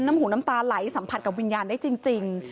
น้ำหูน้ำตาไหลสัมผัสกับวิญญาณได้จริง